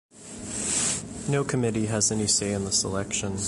No committee has any say in the selection.